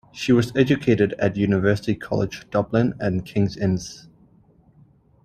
She was educated at University College Dublin and King's Inns.